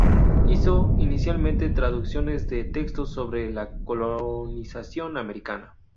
Hizo inicialmente traducciones de textos sobre la colonización americana.